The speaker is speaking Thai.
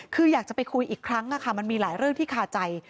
คืออยากจะไปคุยอีกครั้งมันมีหลายเรื่องที่คาใจ